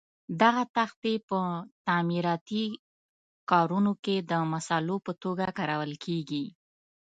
دغه تختې په تعمیراتي کارونو کې د مسالو په توګه کارول کېږي.